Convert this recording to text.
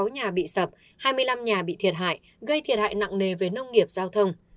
hai mươi sáu nhà bị sập hai mươi năm nhà bị thiệt hại gây thiệt hại nặng nề với nông nghiệp giao thông